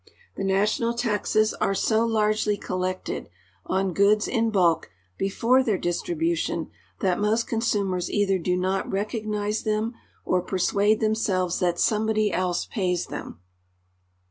The national taxes are so largely collected on goods in bulk before their distribution that most consumers either d© not recognize them or persuade themselves that somebody else pays them.